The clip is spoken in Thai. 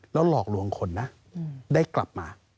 แล้วหลอกลวงคนนะได้กลับมา